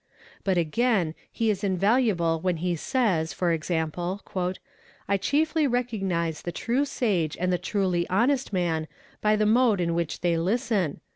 But again he is invaluable when he says, eg., "I chiefly recognise the true sage and the truly honest man by the mode in which they listen